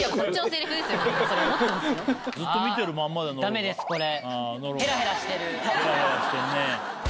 ダメですこれ。